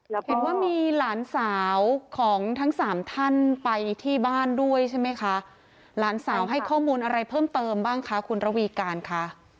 เห็นว่ามีหลานสาวของทั้งสามท่านไปที่บ้านด้วยใช่ไหมคะหลานสาวให้ข้อมูลอะไรเพิ่มเติมบ้างคะคุณระวีการคะ